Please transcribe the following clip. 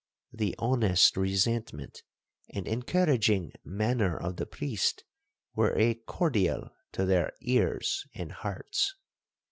The honest resentment, and encouraging manner of the priest, were a cordial to their ears and hearts.